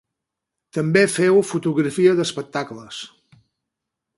També féu fotografia d'espectacles.